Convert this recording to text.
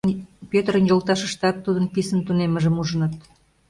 Пӧтырын йолташыштат тудын писын тунеммыжым ужыныт.